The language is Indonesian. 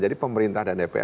jadi pemerintah dan dpr berdua